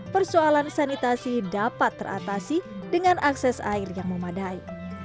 persoalan sanitasi dapat teratasi dengan akses air yang memadai